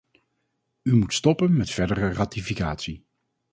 U moet stoppen met verdere ratificatie.